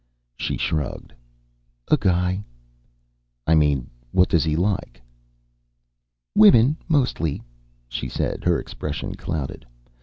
She shrugged. "A guy." "I mean what does he like?" "Women, mostly," she said, her expression clouded.